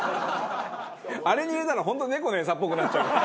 あれに入れたら本当猫の餌っぽくなっちゃうから。